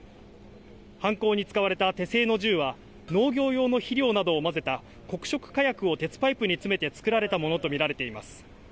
犯行に使われた手製の銃は、農業用の肥料などを混ぜた黒色火薬を鉄パイプに詰めて作られたものと見られています。